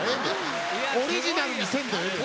オリジナルにせんでええねん。